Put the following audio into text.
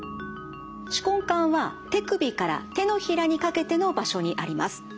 手根管は手首から手のひらにかけての場所にあります。